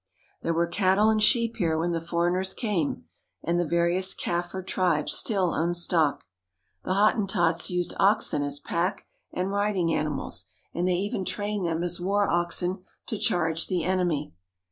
There were cattle and sheep here when the foreigners came, and the various Kaffir tribes still own stock. The Hottentots used oxen as pack and riding animals, and they even trained them as war oxen to charge the enemy.